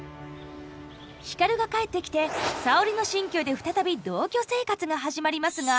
光が帰ってきて沙織の新居で再び同居生活が始まりますが。